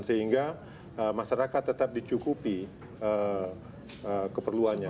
sehingga masyarakat tetap dicukupi keperluannya